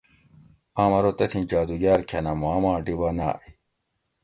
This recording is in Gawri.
آم ارو تتھی جادوگاۤر کھۤنہ ماں ما ڈیبہ نائی